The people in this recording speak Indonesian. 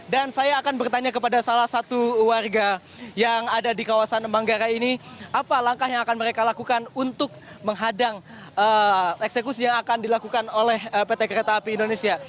dan saya akan bertanya kepada salah satu warga yang ada di kawasan manggarai ini apa langkah yang akan mereka lakukan untuk menghadang eksekusi yang akan dilakukan oleh pt kereta api indonesia